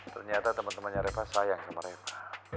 ternyata temen temennya rafa sayang sama rafa